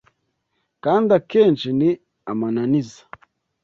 Kandi akenshi ni amananiza